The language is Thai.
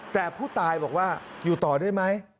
แต่ผู้ตายบอกว่าอยู่ต่อได้ไหม